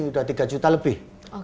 sudah tiga juta lebih